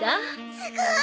すごーい！